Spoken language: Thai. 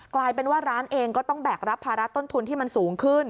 กลายเป็นว่าร้านเองก็ต้องแบกรับภาระต้นทุนที่มันสูงขึ้น